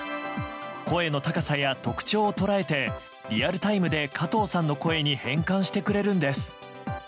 声の高さや特徴を捉えてリアルタイムで加藤さんの声に変換してくれるんです。